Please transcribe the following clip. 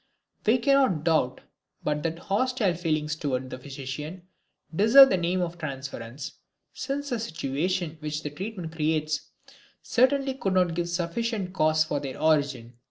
We cannot doubt but that the hostile feelings toward the physician deserve the name of transference, since the situation which the treatment creates certainly could not give sufficient cause for their origin.